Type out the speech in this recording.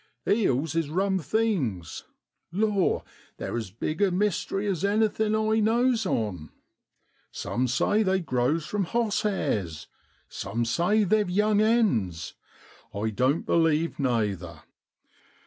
' Eels is rum things lor, they're as big a mystery as anything I knows on. Some say they grows from hoss hairs: some say they've young 'ens I doan't believe nayther.